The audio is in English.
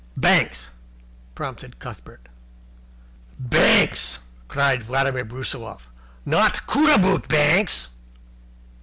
"Banks," prompted Cuthbert. "Banks!" cried Vladimir Brusiloff. "Not Cootaboot Banks?"